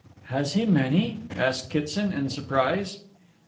"Has he many?" asked Kitson, in surprise.